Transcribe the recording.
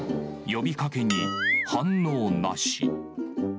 呼びかけに反応なし。